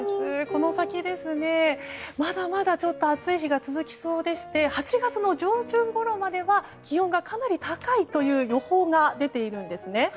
この先、まだまだ暑い日が続きそうでして８月上旬ごろまでは気温がかなり高いという予報が出ているんですね。